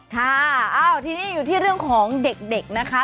ค่ะทีนี้อยู่ที่เรื่องของเด็กนะคะ